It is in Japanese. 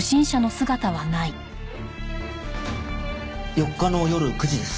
４日の夜９時です。